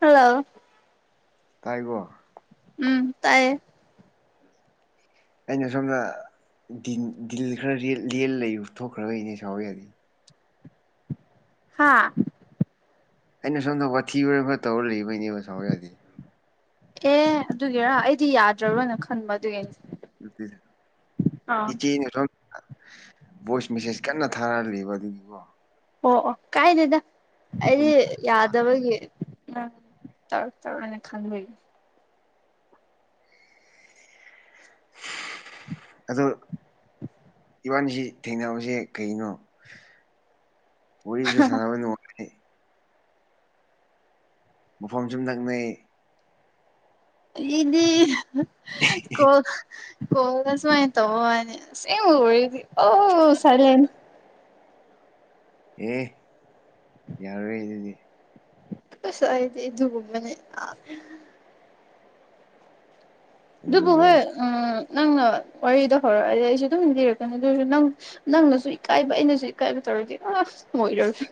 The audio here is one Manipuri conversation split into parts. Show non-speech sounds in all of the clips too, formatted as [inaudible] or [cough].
ꯍꯜꯂꯣ ꯇꯥꯔꯤꯕꫭ ꯎꯝ ꯇꯥꯏꯌꯦ ꯑꯩꯅ ꯁꯨꯝꯗ ꯗꯤꯟ ꯗꯤꯜ ꯈꯔ ꯂꯦ ꯂꯩ ꯊꯣꯛꯈ꯭ꯔꯒꯩꯅꯦ ꯁꯥꯎ ꯌꯥꯗꯦ ꯍꯥꯥ ꯑꯩꯅ ꯁꯣꯝꯗ ꯋꯥꯊꯤ ꯋꯥꯔꯦꯝ ꯈ ꯇꯧꯔ ꯂꯩꯕꯩꯅꯦꯕ ꯁꯥꯎ ꯌꯥꯗꯦ ꯑꯦ ꯑꯗꯨꯒꯤꯔꫭ ꯑꯩꯗꯤ ꯌꯥꯗ꯭ꯔꯕꯅ ꯈꯟꯕ ꯑꯗꯨꯒꯤꯅꯦ ꯏꯆꯥꯦꯅꯦ ꯚꯣꯏꯁ ꯃꯦꯁꯦꯖ ꯀꯟꯅ ꯊꯥꯔꯛꯂꯤꯕ ꯑꯗꯨꯒꯤꯀꯣ ꯑꯣ ꯑꯣ ꯀꯥꯏꯗꯦꯗ ꯑꯗꯨꯝ ꯑꯩꯗꯤ ꯌꯥꯗꯕꯒꯤ ꯎꯝ ꯇꯧꯔꯛ ꯇꯕꯅꯦ ꯈꯟꯕꯩ ꯑꯗꯣ ꯏꯕꯥꯅꯤꯁꯤ ꯊꯦꯡꯅꯕꯁꯦ ꯀꯩꯅꯣ ꯑꯣꯏꯔꯤꯁꯨ ꯁꯔꯕ ꯋꯥꯦ ꯃꯐꯝ ꯁꯨꯝ ꯅꯪꯅꯩ ꯏꯗꯤꯦ ꯀꯣ ꯍꯣꯒꯁ ꯃꯥꯥꯏ ꯇꯧꯅꯤ ꯁꯤ ꯑꯣꯏ ꯑꯣ ꯆꯂ ꯑꯦ ꯌꯥꯔ ꯌꯦꯗꯗꯤ ꯀꯁꯥꯏꯗꯤ ꯑꯗꯨ ꯃꯅꯦ ꯑꯗꯨꯒ ꯑꯗꯨꯕꯨꯍꯣꯏ ꯎꯝ ꯅꯪꯅ ꯋꯥꯔꯤꯗ ꯍꯧꯔꯛꯑꯗꯤ ꯑꯩꯁꯨ ꯑꯗꯨꯝꯤꯟꯗꯤꯔꯛꯀꯅꯤ ꯑꯗꯨ ꯑꯣꯏꯔꯁꯨ ꯅꯪ ꯅꯪꯅꯁꯨ ꯏꯀꯥꯏꯕ ꯑꯩꯅꯁꯨ ꯏꯀꯥꯏꯕ ꯑ ꯃꯣꯏꯔꯁꯤ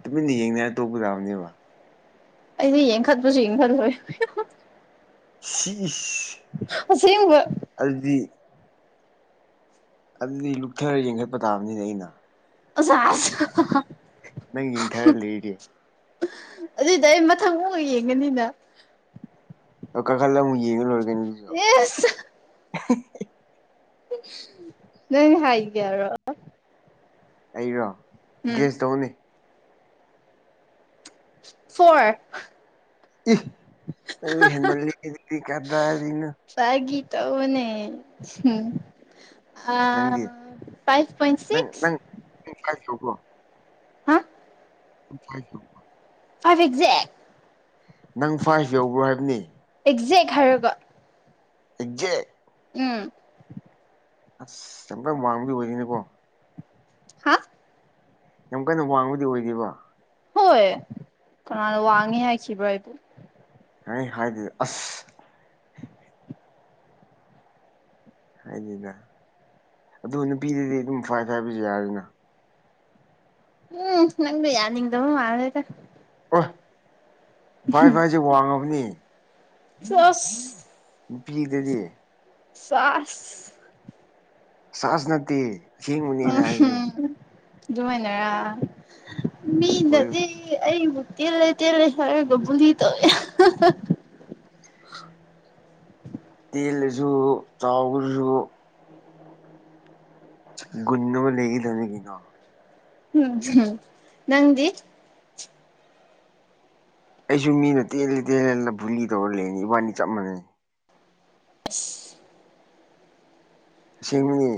ꯇꯨꯃꯤꯟꯅ ꯌꯦꯡꯅꯤ ꯇꯣꯞꯄ ꯇꯥꯕꯅꯦꯕ ꯑꯩꯁ ꯌꯦꯡꯈꯠꯄꯁꯨ ꯌꯦꯡꯈꯠꯂꯣꯏ ꯎꯝ ꯁꯕ ꯑꯗꯨꯗꯤ ꯑꯗꯨꯗꯤ ꯂꯨꯞꯊꯔ ꯌꯦꯡꯈꯠꯄ ꯇꯥꯕꯅꯤꯅꯦ ꯑꯩꯅ ꯁ ꯅꯪ ꯌꯦꯡꯊꯔ ꯂꯩꯗꯤ ꯑꯗꯨꯏꯗ ꯑꯩ ꯃꯊꯪ ꯑꯃꯨ ꯌꯦꯡꯒꯅꯤꯅ ꯑꯣ ꯀꯥ ꯈꯜꯂ ꯌꯦꯅ ꯂꯔꯒꯅꯤꯁꯨ ꯅ ꯍꯥꯏꯒꯔꯣ ꯑꯩꯔꯣ ꯒꯦꯁ ꯇꯧꯅꯦ ꯐꯣꯔ ꯑꯗꯨ ꯍꯃꯜꯗꯤ ꯀꯗꯅ ꯇꯕꯨꯅꯦ ꯑ ꯅꯪꯗꯤ ꯐꯥꯏꯚ ꯄꯣꯏꯟ ꯁꯤꯁ ꯋꯥ ꯍꯥ ꯐꯥꯏ ꯐ ꯑꯦꯛꯖꯦꯛ ꯅꯪ ꯐꯥꯁꯨ ꯌꯧꯕ꯭ꯔꯣ ꯍꯥꯏꯕꯅꯤ ꯑꯦꯛꯖꯦꯛ ꯍꯥꯏꯔꯒ ꯖꯦ ꯎꯝ ꯑꯁ ꯑꯨꯇꯪ ꯋꯥꯡꯕꯗꯤ ꯑꯣꯏꯔꯤꯅꯤꯀꯣ ꯍꯥ ꯌꯥꯝ ꯀꯟꯅ ꯋꯥꯡꯕꯗꯤ ꯑꯣꯏꯗꯦꯕ ꯍꯣꯏ ꯀꯃꯅ ꯋꯥꯡꯉꯦ ꯍꯥꯏꯈꯤꯕ꯭ꯔꯣ ꯑꯩꯕꯨ ꯑꯩ ꯍꯥꯏꯗꯗꯤ ꯑꯁ ꯍꯥꯏꯗꯤꯗ ꯑꯗꯨ ꯅꯨꯄꯤꯗꯗꯤ ꯑꯗꯨꯝ ꯐꯋꯥ ꯐ ꯍꯥꯏꯕꯤꯁꯨ ꯌꯥꯔꯤꯅ ꯎꯝ ꯅꯪ ꯌꯥ ꯍꯗꯕ ꯃꯥꯦꯗ ꯐꯥꯏ ꯐꯥꯏꯁꯦ ꯋꯥꯡꯉꯕꯅꯤ ꯆꯁ ꯅꯨꯄꯤꯗꯗꯤ ꯁꯥꯁ ꯁꯥꯁ ꯅꯠꯇꯦ ꯑꯦꯡꯕꯅꯦꯅꯦ ꯍꯥꯏꯅꯤ ꯑꯗꯨꯃꯥꯏꯅꯔ ꯍꯣꯏ ꯃꯤꯗꯗꯤ ꯑꯩꯕꯨ ꯇ ꯂꯩ ꯇ ꯂꯩ ꯍꯔꯦꯒꯕꯨꯂꯤ ꯇꯧ ꯇꯜꯁꯨ ꯆꯥꯎꯧꯁꯨ ꯨꯟꯅꯨ ꯂꯩꯒꯗꯅꯤ ꯀꯩꯅꯣ ꯎꯝꯝ ꯅꯪꯗꯤ ꯑꯩꯁꯨ ꯃꯤꯅ ꯇꯦꯜꯂꯦ ꯇꯦꯜꯂꯦꯅ ꯕꯨꯨꯂꯤ ꯇꯧꯔ ꯂꯩꯅꯤ ꯏꯕꯥꯅꯤ ꯆꯞ ꯃꯥꯟꯅꯩ ꯑ ꯁꯤꯁꯤꯡꯃꯤꯅꯤ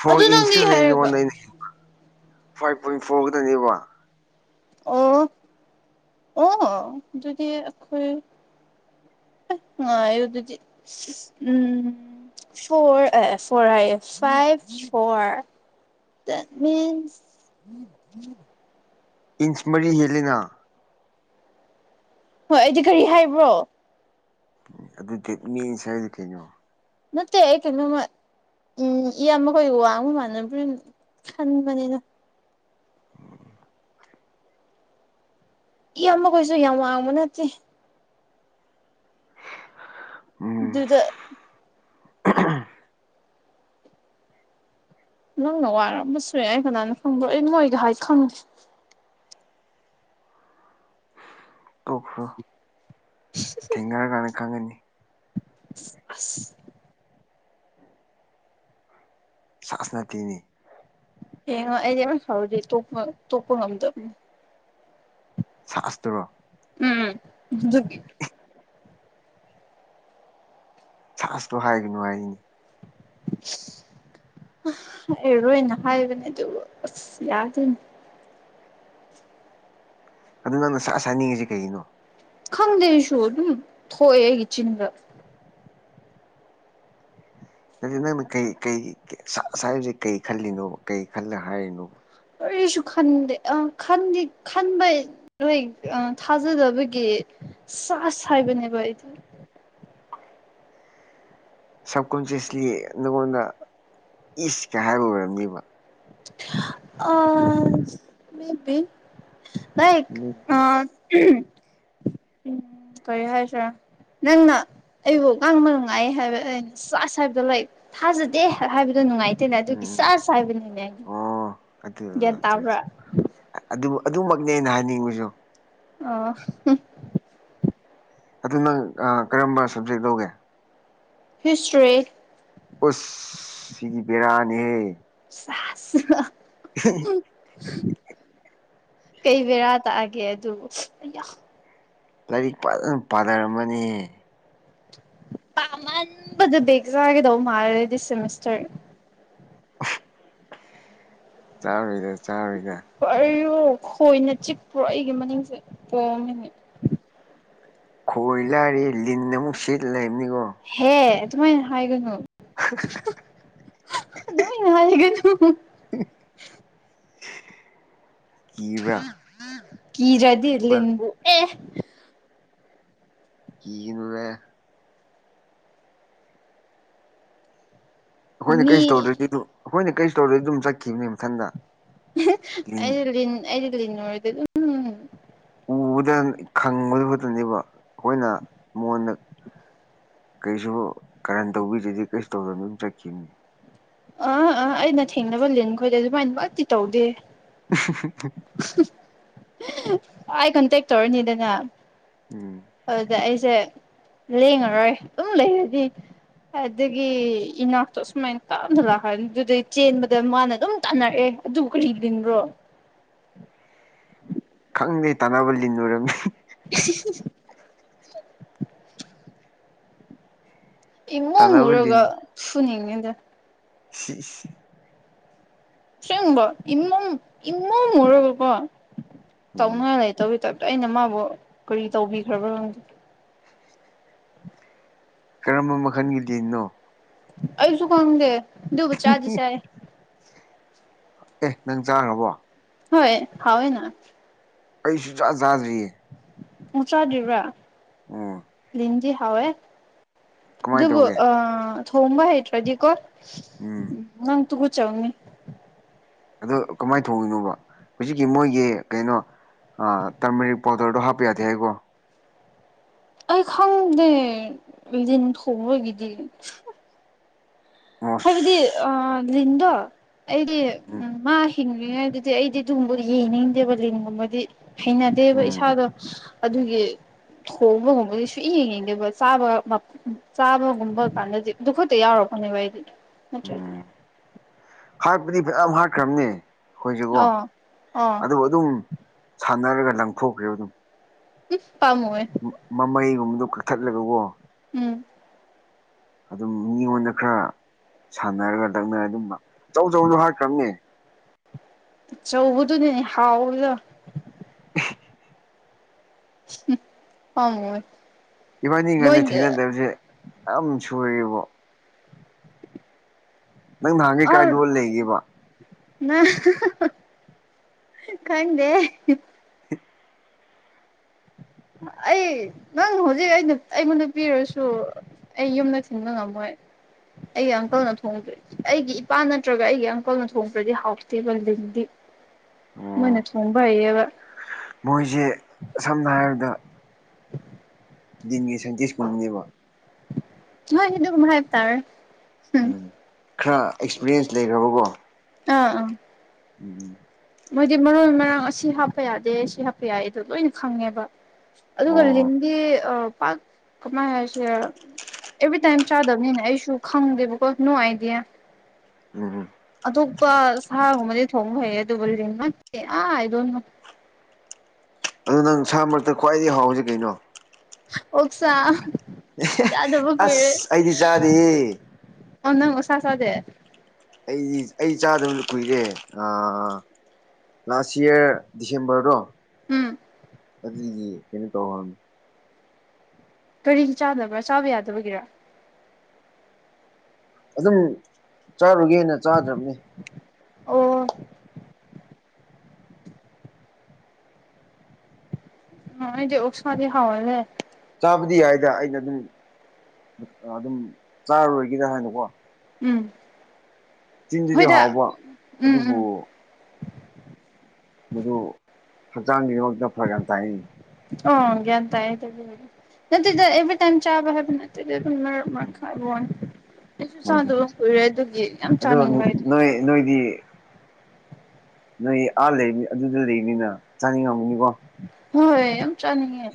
ꯐꯣꯔ ꯑꯗꯨ ꯅꯪꯗꯤ ꯍꯥꯏꯔꯒ ꯏꯟꯁꯀꯗꯅꯤ ꯐꯥꯏꯚ ꯄꯣꯏꯟ ꯐꯣꯔ ꯈꯛꯇꯅꯦꯕ ꯑꯣ ꯑꯣ ꯑꯗꯨꯗꯤ ꯑꯩꯈꯣꯏ ꯑ ꯑꯗꯨꯗꯤ ꯎꯝ ꯐꯣꯔ ꯑ ꯐꯣꯔ ꯍꯥꯏ ꯐꯥꯏꯚ ꯐꯣꯔ ꯇ ꯃꯤꯟꯁ ꯏꯟꯁꯃꯔꯤ ꯍꯂꯅꯥ ꯍꯣꯏ ꯑꯩꯗꯤ ꯀꯔꯤ ꯍꯥꯏꯕ꯭ꯔꯣ ꯑꯗꯨꯗꯤ ꯃꯤ ꯁꯁ ꯀꯩꯅꯣ ꯀꯠꯇꯦ ꯍꯥꯏ ꯀ ꯃꯃ ꯎꯝ ꯏꯌꯥꯝꯃꯈꯣꯏꯒ ꯋꯥꯡꯕ ꯃꯥꯟꯅꯝ ꯈꯟꯕꯅꯤꯅ ꯎꯝ ꯏꯌꯥꯝꯕꯈꯣꯏꯁꯨ ꯌꯥꯝ ꯋꯥꯡꯕ ꯅꯠꯇꯦ ꯎꯝ ꯑꯗꯨꯗ [unintelligible] ꯅꯪꯅ ꯋꯥꯔꯝꯕꯁꯨꯏ ꯑꯩ ꯀꯅꯥꯅ ꯈꯪꯕ꯭ꯔꯣ ꯑꯩ ꯅꯣꯏꯒ ꯍꯥꯏ ꯈꯪꯉꯦ ꯀꯣꯈ꯭ꯔꯣ ꯊꯦꯡꯒꯥꯔ ꯀꯅ ꯈꯪꯒꯅꯤ ꯑꯁ ꯁꯥꯁꯅꯇꯅꯤ ꯍꯉ ꯑꯩꯗꯤꯦꯔꯄ ꯇꯄ ꯉꯝꯗꯕ ꯆꯁꯇ꯭ꯔꯣ ꯎꯝꯖ ꯁꯥꯁꯇꯣ ꯍꯥꯏꯒꯅꯨ ꯍꯥꯏꯔꯤꯅꯤ [unintelligible] ꯑꯩꯔꯣꯏꯅ ꯍꯥꯏꯕꯅꯦ ꯑꯗꯨꯕꯨ ꯑꯁ ꯌꯥꯗꯣꯏꯅꯤ ꯑꯗꯨ ꯅꯪꯅ ꯁꯛ ꯆꯥꯅꯤꯡꯉꯁꯤ ꯀꯅꯣ ꯈꯪꯗꯦꯁꯨ ꯑꯗꯨꯝ ꯊꯣꯛꯑꯦ ꯑꯩꯒꯤ ꯆꯤꯟꯗ ꯅ ꯅꯪꯅ ꯀꯩ ꯀꯩꯁ ꯍꯥꯏꯁꯦ ꯀꯔꯤ ꯈꯜꯂꯤꯅꯣꯕ ꯀꯩ ꯈꯜꯂ ꯍꯥꯏꯔꯤꯅꯣꯕ ꯀꯔꯤꯁꯨ ꯈꯟꯗꯦ ꯑ ꯈ ꯈꯟꯕ ꯍꯣꯏ ꯊꯥꯖꯗꯕꯒꯤ ꯆ ꯍꯥꯏꯕꯅꯦꯕ ꯑꯩꯗꯨ [unintelligible] ꯁꯕ ꯀꯣꯟꯁꯤꯁꯂꯤ ꯅꯉꯣꯟꯗ ꯏꯁꯀ ꯍꯥꯏꯕ ꯑꯣꯏꯔꯝꯅꯦꯕ ꯑ ꯃꯕꯤ ꯂ ꯃꯦꯕꯤ ꯑ [unintelligible] ꯀꯩ ꯍꯥꯏꯜꯁ ꯅꯪꯅ ꯑꯩꯕꯨ ꯉꯥꯡꯕ ꯉꯥꯏ ꯍꯥꯏꯕ ꯑꯩꯅ ꯆꯁ ꯍꯥꯏꯕꯗꯣ ꯂꯩ ꯊꯥꯖꯗꯦ ꯍꯥꯏꯕꯗꯨ ꯑꯗꯨ ꯅꯨꯡꯉꯥꯏꯇꯦꯅꯦ ꯑꯗꯨꯒꯤ ꯎꯝ ꯆꯥ ꯆ ꯍꯥꯏꯕꯅꯤꯅꯦ ꯑꯩꯗꯤ ꯑꯣ ꯑꯗꯨ ꯑꯗꯨꯃꯛꯅꯦꯅ ꯍꯥꯏꯅꯤꯡꯕꯁꯨ ꯑꯣ ꯑꯗꯨ ꯅꯪ ꯀꯔꯝꯕ ꯁꯕꯖꯦꯛ ꯂꯧꯒꯦ ꯍꯤꯁꯇ꯭ꯔꯤ ꯑꯁ ꯁꯤꯗꯤ ꯕꯦꯔꯥꯅꯤꯍꯦ ꯀꯩꯕꯔꯥ ꯑꯦ ꯑꯗꯨ ꯑ ꯂꯥꯏꯔꯤꯛ ꯐꯖꯅ ꯄꯥꯅꯔꯝꯃꯅꯤ ꯄꯃ ꯦꯖꯒꯦꯗ ꯃꯥꯦꯗꯤ ꯁꯦꯃꯤꯁꯇꯔ ꯑ ꯆꯥꯣꯏꯗ ꯆꯥꯣꯏꯗ ꯀꯔꯤꯔꯣ ꯈꯣꯏꯅ ꯆꯤꯛꯄ꯭ꯔꯣ ꯑꯩꯒꯤ ꯃꯅꯤꯡꯁꯦ ꯈꯣꯏ ꯂꯥꯔꯦ ꯂꯤꯟꯅ ꯑꯃꯨꯛ ꯁꯤꯠ ꯂꯩꯕꯅꯤ ꯍꯦ ꯇꯨꯃꯥꯏ ꯍꯥꯏꯥꯏꯒꯅꯣ ꯅꯒ ꯊꯨ ꯏꯕ ꯀꯤꯔꯗꯤ ꯏꯔꯂꯤꯕꯨ ꯑꯦ ꯀ ꯅꯕꯦ ꯑꯩꯈꯣꯏꯅ ꯃꯤ ꯀꯔꯤꯁꯨ ꯇꯧꯗ꯭ꯔꯗꯤ ꯑꯗꯨ ꯑꯩꯈꯣꯏꯅ ꯀꯔꯤꯁꯨ ꯇꯧꯗ꯭ꯔꯗꯤ ꯑꯗꯨꯝ ꯆꯠꯈꯤꯕꯅꯦ ꯃꯊꯟꯗ ꯑꯩ ꯂꯤ ꯏꯟ ꯑꯩꯗꯤꯜꯂꯤꯟꯗ ꯑꯗꯨ ꯎꯝ ꯎꯕꯗ ꯈꯪꯕꯗꯨ ꯈꯛꯇꯅꯦꯕ ꯑꯩꯈꯣꯏꯅ ꯃꯉꯣꯟꯗ ꯀꯩꯁꯨ ꯀꯔꯟ ꯇꯧꯕꯤꯗꯗꯤꯦ ꯀꯩꯁꯨ ꯇꯧꯗꯅ ꯑꯗꯨꯝ ꯆꯠꯈꯤꯕꯅꯤ ꯑꯥ ꯑꯥ ꯑꯩꯅ ꯊꯦꯡꯅꯕ ꯂꯤꯟ ꯈꯣꯏꯗꯦ ꯑꯗꯨꯃꯥꯏꯅ ꯋꯥꯠꯇꯤ ꯇꯧꯗꯦ [unintelligible] ꯑꯥꯏ ꯈꯟꯇꯦꯛ ꯇꯧꯔꯅꯤꯗꯅ ꯎꯝ ꯑꯗꯨꯗ ꯑꯩꯁꯦ ꯂꯦꯡꯉꯔꯣꯏ ꯑꯗꯨꯝ ꯂꯩꯔꯗꯤ ꯑꯗꯒꯤ ꯏꯅꯥꯛꯇꯣ ꯑ ꯁꯁꯨꯃꯥꯏ ꯇꯥꯞꯅ ꯂꯥꯛꯈꯅꯤ ꯑꯗꯨꯗꯩ ꯆꯦꯟꯕꯗ ꯃꯥꯅ ꯑꯗꯨꯝ ꯇꯥꯟꯅꯔꯛꯑꯦ ꯑꯗꯨ ꯑꯗꯨ ꯀꯗꯟ꯭ꯔꯣ [unintelligible] ꯑꯪꯒꯩ ꯇꯥꯟꯅꯕ ꯂꯤꯟꯅꯨꯔꯝꯃꯤ [unintelligible] ꯏꯃꯨꯡ ꯇꯥꯟꯅꯕ ꯍꯨꯔꯒ ꯁꯨꯅꯤꯡꯉꯦꯗ ꯍ ꯁꯦꯡꯕꯣ ꯏꯃꯝ ꯏꯃꯣꯝ ꯑꯣꯏꯔꯒꯀꯣ ꯎꯝ ꯇꯧꯅꯤꯡꯉꯥꯏ ꯂꯩꯇꯧꯤ ꯇ ꯑꯩꯅ ꯃꯥꯕꯨ ꯀꯔꯤ ꯇꯧꯕꯤꯈ꯭ꯔꯕ꯭ꯔꯣ ꯀꯔꯝꯕ ꯃꯈꯜꯒꯤꯗꯤꯅꯣ ꯑꯩꯁꯨ ꯀꯒꯦ ꯑꯗꯨꯕ ꯆꯥꯗꯤ ꯆꯥꯏ ꯑꯦ ꯅꯪ ꯆꯥꯈ꯭ꯔꯕꯣ ꯍꯣꯏ ꯍꯥꯎꯣꯏꯅ ꯑꯩꯁꯨꯖꯥꯗꯔꯤ ꯍꯨꯁꯥꯗꯕ꯭ꯔꯥ ꯎ ꯍꯦ ꯑꯗꯨꯕꯨ ꯇꯧꯒꯦ ꯑ ꯊꯣꯡꯕ ꯍꯇ꯭ꯔꯖꯤꯀꯣ ꯎꯝ ꯅꯪ ꯇꯨꯒ ꯆꯧꯅꯤ ꯑꯗꯨ ꯀꯃꯥꯏꯅ ꯊꯣꯡꯉꯤꯅꯣꯕ ꯍꯧꯖꯤꯛꯀꯤ ꯃꯣꯏꯒꯤ ꯀꯩꯅꯣ ꯑ ꯇꯔꯃꯦꯔꯤꯛ ꯄꯥꯎꯗꯔꯗꯣ ꯍꯥꯞꯄ ꯌꯥꯗꯦ ꯍꯥꯏꯀꯣ ꯑꯩ ꯈꯪꯗꯦꯟ ꯊ ꯑꯣꯏꯒꯤꯗꯤ ꯍꯥꯏꯕꯗꯤ ꯑꯣꯁ ꯑ ꯂꯤꯟꯗꯣ ꯑꯩꯗꯤ ꯎ ꯎꯝ ꯃꯥ ꯍꯤꯡꯉꯥꯏꯗꯨꯗꯤ ꯑꯩꯗꯤ ꯑꯗꯨꯨꯝꯕꯗꯤ ꯌꯦꯡꯅꯤꯡꯗꯦꯕ ꯂꯤꯟꯒꯨꯝꯕꯗꯤ ꯍꯩꯅꯗꯦꯕ ꯎꯝ ꯏꯁꯥꯗꯣ ꯑꯗꯨꯒꯤ ꯍꯣꯡꯕꯒꯨꯝꯕꯗꯤ ꯁꯨꯛ ꯌꯦꯡ ꯌꯦꯡꯗꯕ ꯆꯥꯕ ꯆꯥꯕꯒꯨꯝꯕ ꯀꯥꯟꯗꯗꯤ ꯑꯗꯨꯈꯠꯇ ꯌꯥꯎꯔꯕ ꯕꯗꯤ ꯅꯆꯗꯤ ꯎꯝ ꯍꯥꯠꯄꯗꯤ ꯐꯖ ꯌꯥꯝ ꯍꯥꯠꯈ꯭ꯔꯕꯅꯦ ꯑꯩꯈꯣꯏꯁꯤꯒꯣ ꯑꯥ ꯑꯥ ꯑꯗꯨꯕꯨ ꯑꯗꯨꯝ ꯈꯅꯔꯒ ꯂꯪꯊꯣꯛꯈ꯭ꯔꯦꯣ ꯑꯗꯨꯝ ꯎ ꯃꯃꯩꯒꯨꯝꯕꯗꯨꯣ ꯀꯛꯊꯠꯂꯒꯕꯣ ꯎꯝ ꯑꯗꯨꯝ ꯃꯤꯉꯣꯟꯗ ꯈꯔ ꯁꯥꯟꯅꯔꯒ ꯂꯛꯅꯔ ꯑꯗꯨꯝꯕ ꯑꯆꯧ ꯑꯆꯧꯗꯣ ꯍꯥꯏꯔꯈ꯭ꯔꯕꯅꯦ ꯆꯧꯧꯕꯗꯗꯤ ꯍꯥꯎꯥꯎꯗ ꯑꯉ ꯏꯕꯥꯅꯤ ꯉꯅ ꯊꯦꯡꯅꯗꯕꯁꯦ ꯌꯥꯝ ꯁꯨꯕꯣ ꯅꯍꯥꯟꯒꯩ ꯑ ꯀꯥꯏ ꯂꯣꯟ ꯂꯩꯒꯦꯕ ꯈꯪꯗꯦ ꯑꯩ ꯅꯪ ꯍꯧꯖꯤꯛ ꯑꯩꯅ ꯑꯩꯉꯣꯟ ꯅꯨꯄꯤꯤꯔꯁꯨ ꯑꯩ ꯌꯨꯝꯅ ꯆꯤꯟꯕ ꯉꯃꯦ ꯑꯩꯒꯤ ꯑꯪꯀꯜꯅ ꯊꯣꯡꯗ꯭ꯔꯦ ꯑꯩꯒꯤ ꯏꯄꯥ ꯅꯠꯇ꯭ꯔꯒ ꯑꯩꯒꯤ ꯑꯪꯀꯜꯅ ꯊꯣꯡꯕ꯭ꯔꯗꯤ ꯍꯥꯎꯇꯦꯕ ꯂꯤꯟꯗꯤ ꯃꯣꯏꯅ ꯑꯣ ꯊꯣꯡꯕ ꯍꯩꯌꯦꯕ ꯃꯣꯏꯁꯦ ꯁꯝꯅ ꯍꯥꯏꯔꯕꯗ ꯟꯒꯤ ꯁꯥꯏꯟꯇꯤꯁ ꯄꯨꯝꯅꯤꯡꯅꯦꯕ ꯍꯣꯏ ꯍꯗꯨ ꯀꯨꯝꯚꯥꯏ ꯇꯔ ꯎꯝ ꯈꯔ ꯑꯦꯛꯁꯄꯤꯔꯤꯌꯦꯟꯁ ꯂꯩꯈ꯭ꯔꯕꯀꯣ ꯑꯥ ꯑꯥ ꯎꯝꯝ ꯃꯣꯏꯗꯤ ꯃꯔꯣꯏ ꯃꯔꯥꯡ ꯑꯁꯤ ꯍꯥꯞꯄ ꯌꯥꯗꯦ ꯁꯤ ꯍꯥꯞꯄ ꯌꯥꯏ ꯑꯗꯨ ꯂꯣꯏꯅ ꯈꯪꯉꯦꯕ ꯑꯗꯨꯒ ꯑꯣ ꯂꯤꯟꯗꯤ ꯄꯥꯛ ꯀꯃꯥꯏ ꯍꯥꯏꯁꯤꯦ ꯑꯦꯚ꯭ꯔꯤꯇꯥꯏꯝ ꯆꯥꯗꯕꯅꯤꯅ ꯑꯩꯁꯨ ꯈꯪꯗꯦꯕꯀꯣ ꯅꯣ ꯑꯥꯏꯗꯤꯌꯥ ꯎꯝ ꯑ ꯁꯣꯛꯄ ꯁꯥꯒꯨꯝꯕꯗꯤ ꯊꯣꯡꯕ ꯐꯩ ꯑꯗꯨꯕꯨ ꯂꯤ ꯅꯦ ꯑꯥ ꯍꯥꯏꯗꯣꯏꯅꯨ ꯑꯗꯨ ꯅꯪ ꯏꯁꯥ ꯃꯔꯛꯇ ꯈ꯭ꯋꯥꯏꯗꯒꯤ ꯍꯥꯎꯁꯤ ꯀꯩꯅꯣ ꯍꯁꯥ ꯑꯁ ꯑꯩꯗꯤ ꯆꯥꯗ ꯑꯣ ꯅꯪꯁꯁꯗꯦ ꯑꯩꯗꯤ ꯑꯩ ꯆꯥꯗꯕ ꯀꯨꯏꯔꯦ ꯑ ꯂꯥꯁ ꯏꯌꯥꯔ ꯗꯤꯁꯦꯝꯕꯔꯗꯣ ꯎꯝ ꯑꯗꯨ ꯀꯅꯤ ꯇꯧꯍ ꯀꯔꯤꯒꯤ ꯆꯥꯗꯕ꯭ꯔꯥ ꯆꯥꯕ ꯌꯥꯗꯕꯒꯤꯔ ꯑꯗꯨꯝ ꯆꯥꯔꯨꯒꯦꯅ ꯆꯥꯗ꯭ꯔꯕꯅꯤ ꯑꯣ ꯑ ꯌꯣꯁ ꯃꯥꯗꯤ ꯍꯋꯥꯜꯦ ꯆꯥꯕꯗꯤ ꯌꯥꯏꯗ ꯑꯩꯅ ꯑꯗꯨꯝ ꯑꯗꯨꯝ ꯆꯥꯔꯔꯣꯏꯒꯦꯔ ꯍꯥꯏꯅꯀꯣ ꯎꯝ ꯆꯤꯟꯗꯗꯤ ꯍꯣꯏꯗ ꯍꯥꯎꯕ ꯎꯝ ꯑꯗꯨꯕꯨ ꯎꯝ ꯃꯗꯨ ꯍꯛꯆꯥꯡꯒꯤ ꯃꯔꯣꯛꯇꯅ ꯐꯔꯒ ꯌꯥꯝꯅ ꯇꯥꯏꯅꯤ ꯑꯣ ꯭ꯟ ꯇ ꯍꯥꯏꯗ ꯇꯥꯏꯝ ꯆꯥꯕ ꯍꯕꯅ ꯗꯤ ꯊꯔ ꯃꯥ ꯈꯥꯏꯕ ꯣꯏꯗ ꯌꯥꯝ ꯑꯗꯣ ꯆꯥꯅꯤꯡꯕ ꯑꯩꯗꯤ ꯅꯣꯏ ꯅꯣꯏꯗꯤ ꯅꯣꯏ ꯑꯥ ꯂꯩꯅꯤ ꯑꯗꯨꯗ ꯂꯩꯕꯅꯤꯅ ꯆꯥꯅꯤꯡꯉꯝꯃꯤꯅꯤꯀꯣ ꯍꯣꯏ ꯆꯥꯅꯤꯡꯉꯦ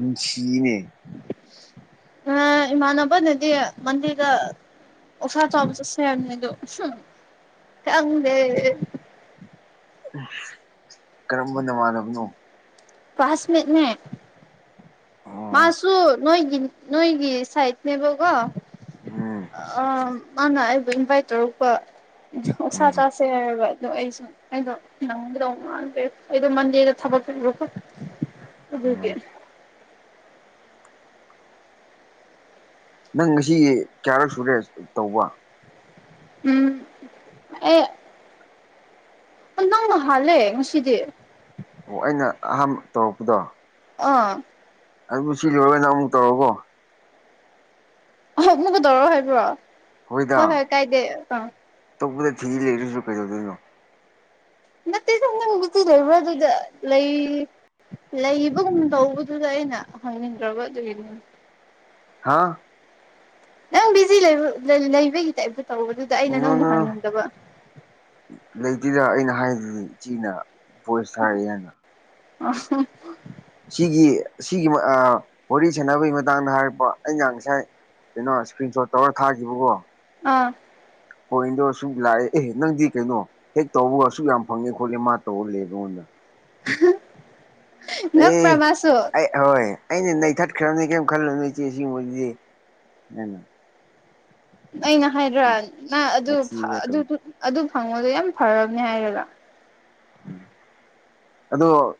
ꯎꯝ ꯆꯤꯅꯦ ꯑ ꯏꯃꯥꯥꯟꯕꯥꯗ ꯅꯗꯤ ꯃꯗꯤꯔꯗ ꯑꯣ ꯐ ꯆꯣꯕ ꯆꯁꯦꯗ ꯆꯗꯦ ꯀꯔꯝꯕ ꯅꯃꯥꯟꯅꯕꯅꯣ ꯄꯥꯁꯃꯦ ꯃ ꯑꯣ ꯃꯥꯁꯨ ꯅꯣꯏꯒꯤ ꯅꯣꯏꯒꯤ ꯁꯥꯏꯠꯅꯦꯕꯒꯣ ꯎꯝ ꯑ ꯃꯥꯅ ꯍꯥꯏꯕ ꯏꯟꯚꯥꯏꯠ ꯇꯧꯔꯛꯄ ꯑꯣꯁꯥ ꯎꯝ ꯆꯥꯁꯦ ꯑꯗꯣ ꯑꯩꯁꯨ ꯑꯩꯗꯣ ꯅꯪꯕꯗꯧ ꯉꯥꯡꯗ꯭ꯔꯦ ꯑꯩꯗꯣ ꯃꯟꯗꯦꯗ ꯊꯕꯛ ꯄꯤꯨ ꯑꯗꯨꯦ ꯎꯝ ꯅꯪ ꯉꯁꯤ ꯀꯌꯥꯔꯛ ꯁꯨꯔꯦ ꯇꯧꯕ ꯎꯝ ꯑꯦ ꯅꯪꯅ ꯍꯂꯦ ꯉꯁꯤꯗꯤ ꯑꯣ ꯑꯩꯅ ꯑꯍꯥꯟꯕ ꯇꯧꯔꯛꯄꯗꯣ ꯑꯥ ꯑꯗꯨꯕꯨ ꯁꯤ ꯂꯔꯣꯏꯅ ꯑꯃꯨꯛ ꯇꯧꯔꯔꯕꯣ ꯑ ꯃꯨꯕꯨꯗꯧꯔꯣ ꯍꯥꯏꯕ꯭ꯔꯣ ꯍꯣꯏꯗ ꯍꯣꯏ ꯍꯣꯏ ꯀꯥꯏꯗꯦ ꯑ ꯐꯤ ꯂꯩꯔꯤꯁꯨ ꯆꯨꯀꯦ ꯆꯧꯣ ꯅꯠꯇ ꯁꯅ ꯔ ꯋꯥꯗꯨꯗ ꯂꯩ ꯂꯩꯕꯒꯨꯝ ꯇꯧꯕꯗꯨꯗ ꯑꯩꯅ ꯈꯪꯅꯤꯡꯗ꯭ꯔꯕ ꯑꯗꯨꯒꯤꯅꯤ ꯍꯥꯥ ꯅꯪ ꯁꯤ ꯏ ꯂꯩ ꯏ ꯅꯕꯦ ꯇ ꯏ ꯅꯪꯅ ꯂꯩꯇꯗ ꯑꯩꯅ ꯍꯥꯏꯖ ꯏꯆꯤꯅ ꯕꯣꯏ ꯁꯥꯔꯦ ꯍꯥꯏꯅ ꯑ ꯁꯤꯒꯤ ꯁꯤꯒꯤ ꯋꯥꯔꯤ ꯁꯥꯟꯅꯕꯒꯤ ꯃꯇꯥꯡꯗ ꯍꯥꯏꯔꯛꯄ ꯑꯩꯅ ꯉꯁꯥꯏ ꯀꯩꯅꯣ ꯏꯁꯀ꯭ꯔꯤꯟ ꯁꯣꯠ ꯇꯧꯔ ꯊꯥꯈꯤꯕꯒꯣ ꯑꯥ ꯄꯣꯏꯟꯗꯣ ꯑꯁꯨꯛ ꯂꯥꯛꯑꯦ ꯑꯦꯍꯦ ꯅꯪꯗꯤ ꯀꯩꯅꯣ ꯍꯦꯛ ꯇꯧꯕꯒ ꯑꯁꯨꯛ ꯌꯥꯝ ꯐꯪꯉꯦ ꯈꯣꯠꯂꯦ ꯃꯥ ꯇꯧꯍꯜꯂꯦꯕꯉꯣꯟꯗ [unintelligible] ꯑꯦ ꯉꯛꯄ꯭ꯔꯥ ꯃꯥꯁꯨ ꯑꯩ ꯍꯣꯏ ꯑꯩꯅ ꯅꯩꯊꯠꯈ꯭ꯔꯕꯅꯤ ꯀꯔꯤꯝ ꯈꯜꯂꯕꯅꯤ ꯏꯆꯦ ꯁꯤꯒꯨꯝꯕꯕꯁꯤꯗꯤ ꯑꯩꯅ ꯍꯥꯏꯗ꯭ꯔꯥ ꯅ ꯑꯗꯨ ꯃꯊꯤꯒ ꯇꯧꯔꯤ ꯑꯗꯨ ꯐꯪꯕꯗꯣ ꯌꯥꯝ ꯐꯔꯕꯅꯤ ꯍꯥꯏꯔ [unintelligible] ꯑꯗꯣ